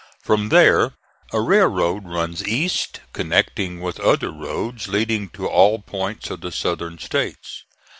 From there a railroad runs east, connecting with other roads leading to all points of the Southern States.